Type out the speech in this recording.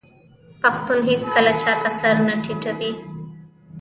پښتون هیڅکله چا ته سر نه ټیټوي.